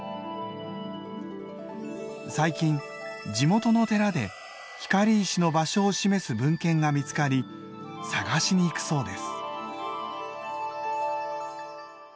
最近地元の寺で光石の場所を示す文献が見つかり探しに行くそうです。